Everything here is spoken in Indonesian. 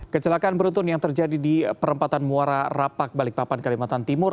kecelakaan beruntun yang terjadi di perempatan muara rapak balikpapan kalimantan timur